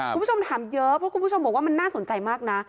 คุณผู้ชมถามเยอะเพราะคุณผู้ชมบอกว่ามันน่าสนใจมากนะ